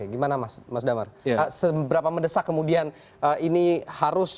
gimana mas damar seberapa mendesak kemudian ini harus